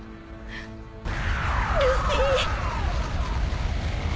ルフィ。